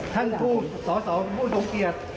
ท่านผู้สอสอผู้ทรงเกียจ